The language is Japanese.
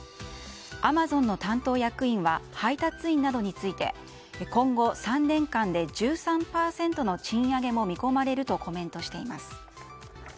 アマゾンの担当役員は配達員などについて今後３年間で１３％の賃上げも見込まれるとコメントしています。